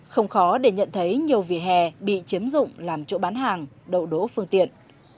không khó để nhận thấy nhiều vỉa hè bị chiếm dụng làm chỗ bán hàng đậu đỗ phương tiện